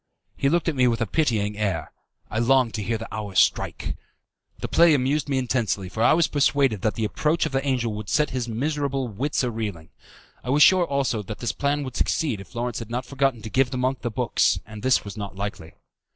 He looked at me with a pitying air. I longed to hear the hour strike. The play amused me intensely, for I was persuaded that the approach of the angel would set his miserable wits a reeling. I was sure, also, that the plan would succeed if Lawrence had not forgotten to give the monk the books, and this was not likely.